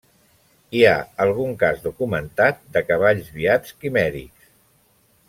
Hi ha algun cas documentat de cavalls viats quimèrics.